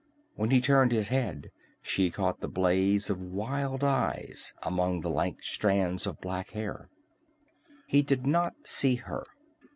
When he turned his head she caught the blaze of wild eyes among the lank strands of black hair. He did not see her.